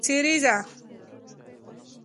سريزه